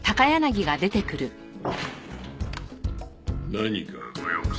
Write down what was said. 何かご用かな？